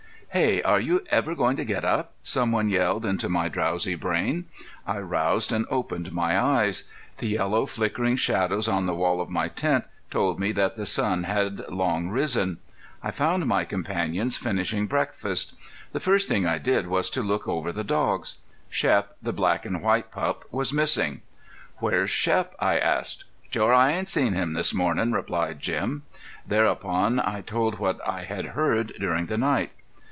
"Hey! are you ever going to get up?" some one yelled into my drowsy brain. I roused and opened my eyes. The yellow, flickering shadows on the wall of my tent told me that the sun had long risen. I found my companions finishing breakfast. The first thing I did was to look over the dogs. Shep, the black and white pup, was missing. "Where's Shep?" I asked. "Shore, I ain't seen him this mornin'," replied Jim. Thereupon I told what I had heard during the night.